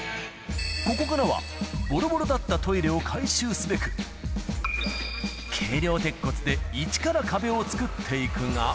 ここからは、ぼろぼろだったトイレを改修すべく、軽量鉄骨で一から壁を作っていくが。